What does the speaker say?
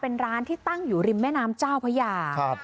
เป็นร้านที่ตั้งอยู่ริมแม่น้ำเจ้าพระยา